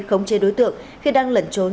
không chê đối tượng khi đang lẩn trốn